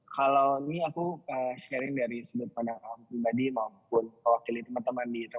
kalau ini aku sharing dari sudut pandang alam pribadi maupun kewakili teman teman di toko kopi tuku